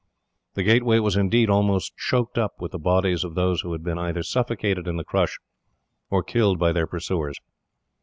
The gateway was, indeed, almost choked up with the bodies of those who had been either suffocated in the crush, or killed by their pursuers.